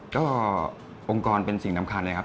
ก็องค์กรเป็นสิ่งสำคัญเลยครับ